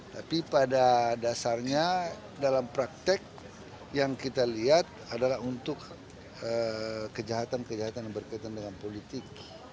tapi pada dasarnya dalam praktek yang kita lihat adalah untuk kejahatan kejahatan yang berkaitan dengan politik